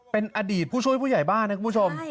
เป็นอดีตผู้ช่วยผู้ใหญ่บ้านนะคุณผู้ชม